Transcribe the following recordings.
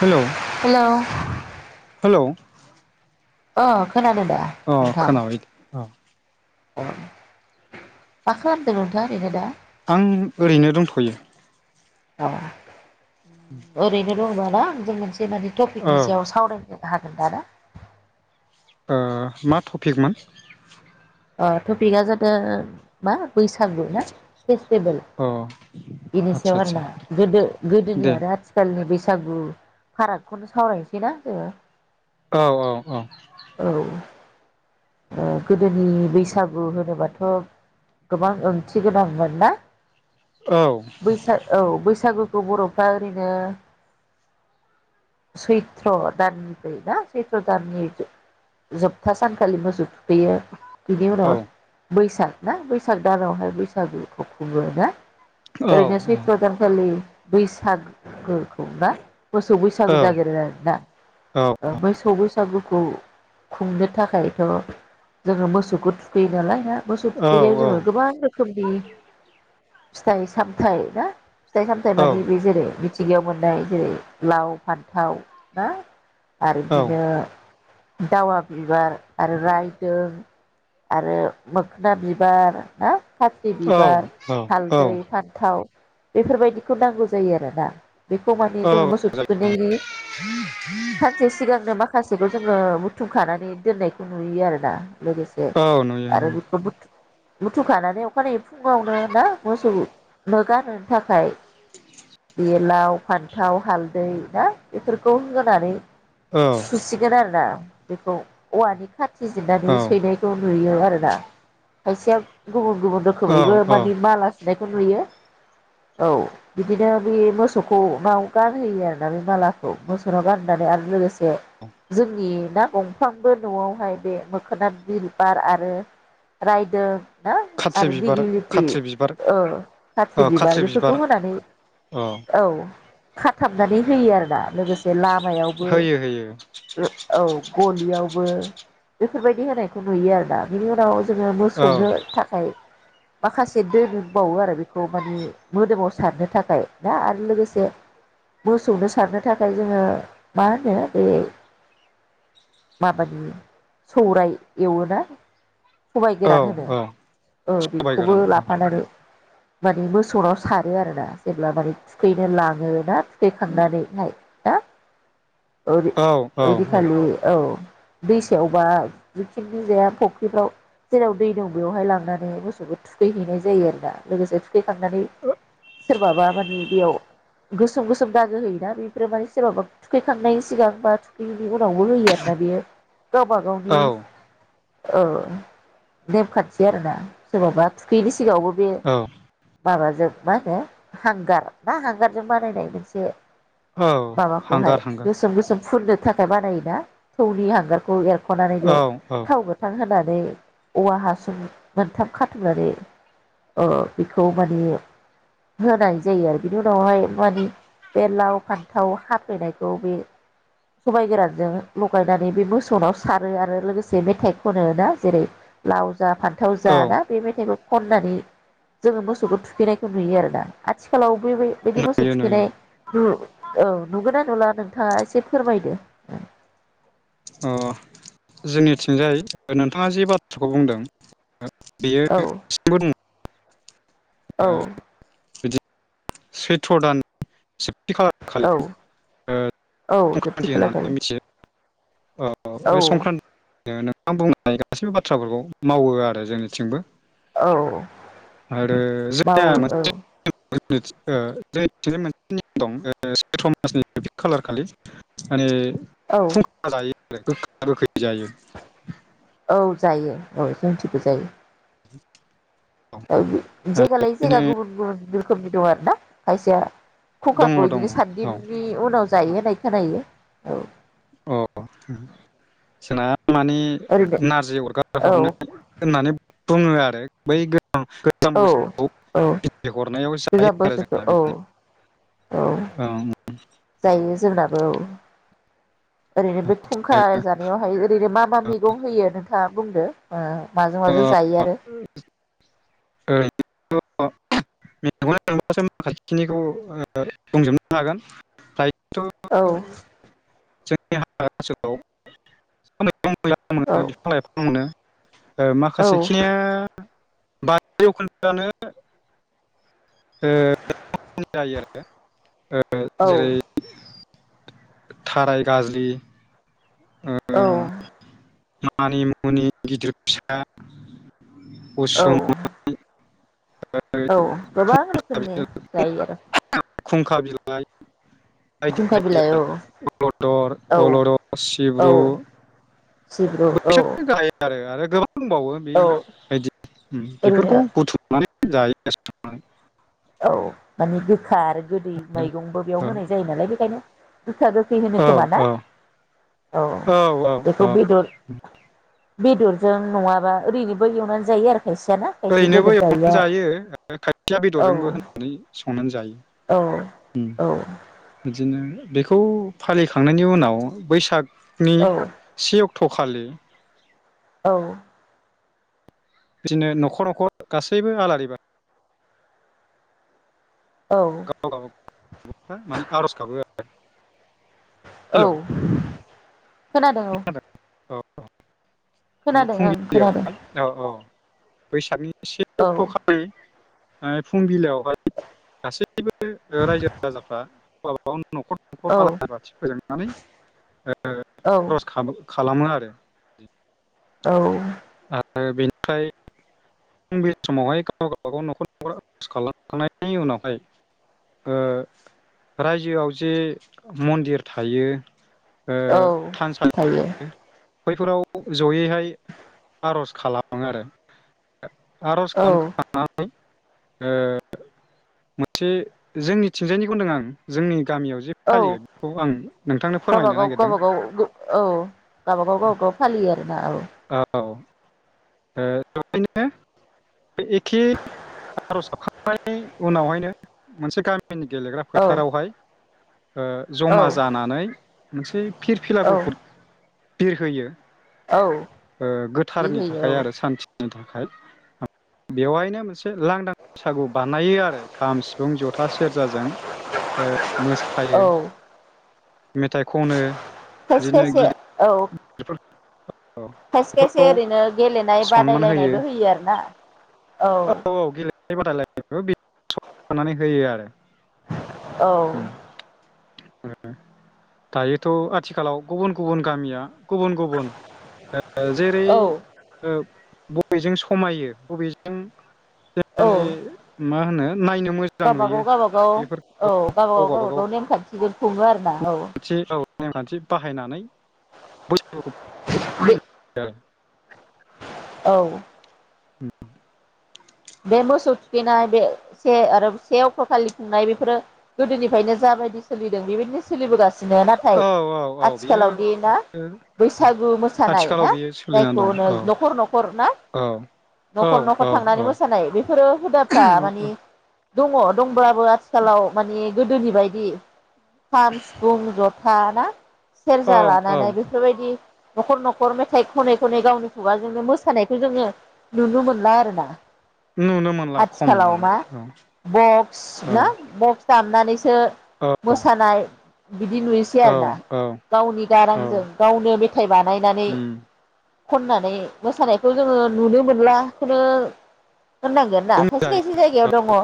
Hello hello hello अ खोनादोंदा अ नोंथां खोनाबाय अ मा खालामदों नोंथां ओरैनो दा? आं ओरैनो दंथ'यो। औ अरैनो रबा [inaudible] जोंनानै औ टपिकनि सायाव सावरायगोन हागोन दाना मा टपफकमोन अ टपिकआ जादो मा बैसागौ ना फेस्टिभेल अ बेनि आदसा सायाव आदसा आरोना गोदो गोदोनि दे आरो आथिखालनि बे बैसागु फारागखौनो सावरायनोसैना जोङो औ औ औ औ ओ गोदो नि बैसागु होनोबाथ गोबां ओंथि गोनांमोन ना औ बैसा औ बैसागु बरफ्रा ओरैनो सैथ्र दाननि ना सैथ्र दाननि जोबथा सानखालि मोसौ बेयो बिनि औ उनाव बैसाग ना बैसाग दानावहाय बैसागुखौ खुङो ना औ अरनौ सैथो दान खालि बैसागोखौ ना मोसौ बैसागु औ जागिरो आरोना मोसौ बैस बैसागुखौ खुंनो थाखायथ जोङो मोसौ थुखैयो नालाय ना मोसौ औ औ थुखैनाय जोङो गोबां रोखोमनि फिथाइ सामथाय ना फिथाइ सामथाय मानि बे जेरै सिगियाव मोननाय जेरै लाव फान्थाव ना आरो औ बिदिनो दावा बिबार आरो रायदों आरो मोखोना बिबार ना फारथि बिबार हालदै फान्थाव बेफोरबायदिखौ नांगौ जायो आरोना बेखौ माने जों मोसौ थुखैनायनि सानसे सिगांनो माखासेखौ जोङो बुथुमखानानै दोननायखौ नुयो आरोना लोगोसे औ नुयो आरो नुयो बेखौ बुथुखानानै अखानायै फुङावनो ना मोसौनो गान होनो थाखाय बे लाव फान्थाव हालदै ना बेफोरखौ होनानै सुसिगोन आरोना बेखौ औवानि खाथि जिरनानै औ सैनाय नुयो आरोना खायसेया गुबुन गुबुन औ रोखोमैबो औ मानि माला सु नायखौ नुयो औ बिदिनो बे मोसौखौ नाव गानहोयो आरोना बे मालाखौ मोसौनाव गानहोनानै आरो लोगोसे जोंनि ना दंफांबो न'आवहाय बे मोखोना बि बिबार आरो रायदों ना खाथ्रि आरो बिबार दिगिलिथि खाथ्रि बिबार ओ खाथ्रि बिबार बेफोरखौ होनानै औ। खाथाबनानै होयो आरो। दा लोगोसे लामायावबो होयो होयो ओ औ गलियावबो बेफोरबायदि होनायखौ नुयो आरोना बेनि उनाव जोङो औ मोसौनो थाखाय माखासे दोनबावो आरो बेखौ मानि मोदोमाव सारनो थाखाय ना आरो लोगोसे मोसौनो सारनो थाखाय जोङो मा होनो बे माबानि सौराय एवोना सबाय औ गोरान होनो औ ओ सबाइ बेखौबो गोरान औ लाफानानै मानि मोसौनाव सारो आरो ना जेब्ला माने थुखैनो लाङो ना थुखैखांनानैहाय ना औ औ औ ओ-ओइदिनखालि औ। दैसायावबा जिखिनि जाया फुख्रिफ्राव जेराव दै दं बेवहाय लांनानै मोसौखौ थुखैहैनाय जायो आरो ना लोगोसे थुखैखांनानै सोरबाबा माने बेयाव गोसोम गोसोम दागो होयोना बेफोरो माने सोरबाबा थुखैखांनायनि सिगां बा थुखैयैनि उनावबो होयो आरोना बेयो गावबा औ गावनि औ नेेम खान्थि आरोना सोरबाबा थुखैयिनि सि सिगाङावबो बे औ माबाजों मा होनो हांगार ना हांगारजों बानायनाय मोनसे औ माबाखौहाय हांगार हांगार गोसोम गोसोम फुननो थाखाय बानायोना थौनि हांगारखौ एर खनानै बेयाव औ औ थाव गोथां होनान औवा हासुं मोनथाम खाथुमनानै ओ बेखौ माने होनाय जायो आरो बेनि उनावहाय मानेबे लाव फान्थाव हाफैनायखौ बे सबबाय गोरानजों लगायनानै बे मोसौनाव सारो आरो लोगोसे गोसे मेथाइ खनो ना जेरै लाव जा फान्थाव जा औ ना बे मेथाइखौ खननानै जोङो मोसौखौ थुखैनायखौ नुयो आरोना आथिखालाव बे बिदि मोसौ नुयो नुयो थुखैनाय नु औ नुगोन ना अब्ला नोंथाङा एसे फोरमायदो। अ जोंनिथिंजाय नोंथाङा जि बाथ्राखौ बुंदों बेयो औ दासिमबो दङ औ। ओ बिदि सैथ्र दानि। सेथि खालार औ खालि ओ औ जोबथि संख्रान्थि होननानै खालारखालि मिथियो। औ बे संक्रान्ति। नोंथां बुंनाय गासैबो बाथ्राफोरखौ मावो आरो जोंनिथिंबो। औ। आरो जोंनि आ। मावो औ जों मोनसे निअम दं सैथ्र मासनि सेथि खालार खालि माने औ थ जायो। रोखै जायो। औ जायो औ जोंथिबो जायो। बि जायगा लायै जायगा गुबुन गुबुन रोखोमनि दं आरो ना खायसेया। दङ खुखाखौ दङ बिदिनो औ सान्दिनि उनाव जायो होनाय। खोनायो औ। अ जोंना। माने ओरैनो नारजि अरगार औ हरनाय होननानै। बुङो आरो बै गोजाम औ बोसोराव औ बिदाइ हरनायाव जायो गोजाम आरो बोसोरखौ जोंना बि औ औ जायो जोंनाबो ओरैनो बे खुंखा जानायावहाय ओरैनो मा मा मैगं होयो नोंथाङा बुंदो। माजों माजों जायो आरो। ओैनो थांबासो माखासे खिनिखौ बुंजोबनो हागोन। औ [unintelligible] जोंनि हाग्रा ओनसोलाव। मैगं मैला औ मोनो बिफां लाइफां मोनो। औ माखासेखिनिया [unintelligible] [unintelligible] औ जेरै- थाराय गाजलि। औ। मानि मुनि गिदिर फिसा। औ उसुमै औ गोबां खुंखा रोखोमनि बिलाइ जायो आरो खुंखा बिलाइ बायदि खुंखा [unintelligible] बिलाइ औ औ अलदर [unintelligible] औ सिब्रु सिब्रु औ बैसोरो गायो आरो आरो बुंबावो औ बेबायदि ओरैनो बेफोरखौ बुथुमनानै जायो [unintelligible] औ मानि गो खा आरो गोदै मैगंबो औ बेयाव होनाय जायो नालाय बेखायनो गोखा गोखै होनो खोमा ना औ औ औ बेखौ औ बेदर बेदरजों नङाबा ओरैनोबो एवनानै जायो आरो। खायसेया ना खायसे ओरैनोबो बेदर एवनो जायैया जायो खायसेया औ बेदरजोंबो होननानै स संनानै जायो। औ उम औ बिदिनो बेखौ फालिखांनायनि उनाव बैसाग नि औ से अक थखालि औ बिदिनो नखर नखर गासैबो आलारि बा औ गाव गावफ्रा माने आरज गाबो आरो [inaudible] औ हेलौ खोनादों औ औ खोनादों ओं खोनादों फुंबिलियावहाय औ औ बैसागनि से औ अक्टखालि माने फुंबिलयावहाय गासैबो रायजो राजाफ्रा गावबा गाव नखर नखर औ आलारि बाथि फोजोंनानै ओ औ खरस खामो खालामो आरो औ आरो बेनिफ्राय फुंबिलि समावहाय गाव गावबा गाव नखर नखर आरज खालामखांनायनि उनावहाय ओ रायजोआव जे मन्दिर थायो औ थानसालि थायो बैफोराव जयैहाय आरज खालामो आरो आरज औ खालामखांनानै ओ मोनसे जोंनिथिंजायनिखौ होनदों आं जोंनि गामियाव जे औ फालियो बेखौ आं नोंथांनो फोरमायनो गावबागाव नागिरदों गावबागाव औ गावबागाव गावबागाव फालियो आरोना औ औ ओ औरैनो बे एखे आरज गाबखांनायनि उनावहायनो मोनसे गामि गिमिनि गेलेग्रा औ फोथारावहाय ओ जमा औ जानानै मोनसे फिरफिला गुफुर बिरहोयो औ ओ गोथारनि बिरहोयो थाखाय आरो सान्थि नि थाखाइ बेवहायनो मोनसे लांदां बैसागु बानायो आरो खाम सिफुं जथा सेरजाजों ओ औ मोसायो औ मेथाइ खनो खायसे बिदिनो खायसे औ गिदिरफोरखौ खायसे खायसे बेफोरखौ ओरैनो गेलेनाय बादायलायनायबो होयो आरोना आह औ औ गेले बे बादायलायनायखौ [unintelligible] होयो आरो औ दायोथ आथिखालाव गुबुन गुबुन गामिया गुबुन गुबुन ओ जेरै औ ओ बबेजों समायो बबेजों औ गोदोनि मा होनो नायनो मोजां नुयो गावबागाव गावबागाव बेफोर औ गावबा गाव गावबा गाव नेमखान्थिखौ खुङो आरोना औ नेमखान्थि औ नेमखान्थि बाहायनानै बे [unintelligible] औ बे मोसौ थुखैनाय बे से आरो से अक्ट खालि खुंनाय बेफोरो गोदोनिफ्रायनो जाबायदि सोलिदों बेबायदिनो सोलिबोगासि थिनो नाथाय औ औ औ बियो आथिखालावदि बि ना बैसागु मोसानाय आथिखालाव ना बियो सोलिनानै दं जायखौनो औ नखर नखर ना औ औ नखर औ नखर थांनानै मोसानाय बेफोरो औ हुदाफ्रा मानि दङ दं बाबो आथिखालाव माने गोदोनि बायदि खाम सिफुं ज था ना सेरजा औ लानानै औ बेफोरबायदि नखर नखर मेथाइ खनै खनै गावनि खुगाजोंनो मोसानायखौ जोङो नुुनो मोनला आरो आरोना। नुनो मोनला खम आथिखालाव मा जाबाय औ बक्स औ ना बक्स दाम नानैसो सो औ मोसानाय बिदि नुनोसै औ आरोना औ गावनि औ गारांजों गावनो मेथाइ बानायनानै उम खननानै मोसानायखौ जोङो नुनो मोन ला खौनो होननांगोन ना खायसे बुंजायो खायसे औ जायगायाव दङ।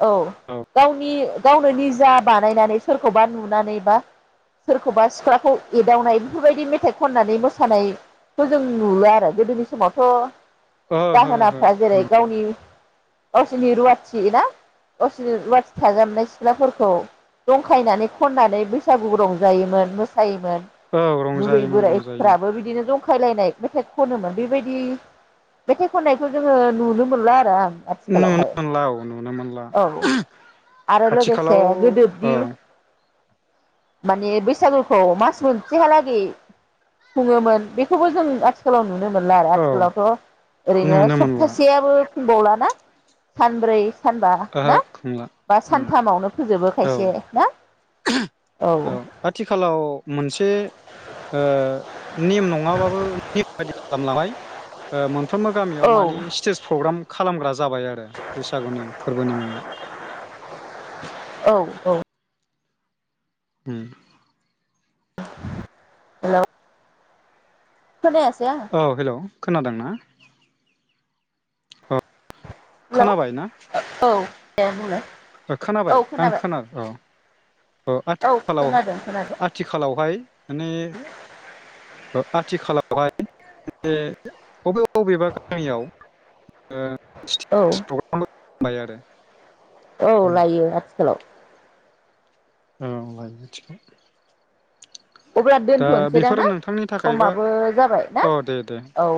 औ औ गावनि गावनो निजा बानायनानै सोरखौबा नुनानै बा सोरखौबा सिख्लाखौ एदावनाय बेफोरबायदि मेथाइ खननानै मोसानायखौ जों नुला आरो गोदोनि समावथ ओहो ओहो दाहोनाफ्रा जेरै गावनि गावसिनि रुवाथि ना गावसिनि रुवाथि थाजाबनाय सिख्लाफोरखौ जंखायनानै खननानै बैसागु रंजायोमोन मोसायोमोन औ बुरै रंजायोमोन रंजायोमोन बोरायफ्राबो बिदिनो जंखा खायलायनाय मेथाइ खनोमोन बेबायदि मेथाइ खननायखौ जोङो नुनो मोनला आरो आं। नुनो आथिखालावहाय मोनला औ नुनो मोनला औ आरो लोगोसे आथिखालाव गोदोदि औ। माने बैसागुखौ मास मोनसेहालागै खुङोमोन बेखौबो जों आथिखालाव नुनो मोनला आरो औ आथिखालावथ ओरैनो नुनो मोनला सप्तासेयाबो थांबवला ना सानब्रै सानबा ओहो ना खुंला बा उम सानथामावनो फोजोबो औ खायसे ना? औ आथिखालाव मोनसे ओ नेम नङाबाबो नेम बायदि खालाम [unintelligible] ओ मोन फ्रोमबो औ गामियाव माने स्टेज प्रग्राम खालामग्रा जाबाय आरो बैसागुनि फोरबोनि मुङाव। औ, औ। उम हेलौ खोनायासै आङो। औ हेलौ खोनादोंना? औ हेलौ खोनाबाय ना ओ, औ दे बुंलाय। ओ खोनाबाय आं खोना औ ओ औ आथिखालाव खोनादों खोनादों आथिखालावहाय माने ओ आथिखालावहाय माने बबे बबेबा गामियाव ओ औ स्टेस प्रग्रामबो [unintelligible] आरो औ लायो आथि हेलौ औ लायो [unintelligible] अब्ला दा दोनथनोसैदां बेफोरो ना, नोंथांनि थाखायबा समाबो जाबाय ना? औ दे दे औ